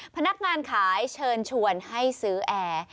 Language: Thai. พนักงานขายเชิญชวนให้ซื้อแอร์